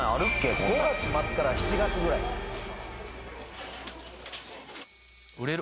こんなん５月末から７月ぐらい売れる？